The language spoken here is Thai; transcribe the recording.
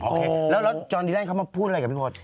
โอเคแล้วแล้วจอนดีแร่งเขามาพูดอะไรกับพี่พลด